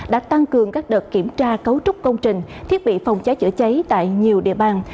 đã tăng cường các đợt kiểm tra cấu trúc công trình thiết bị phòng cháy chữa cháy tại nhiều địa bàn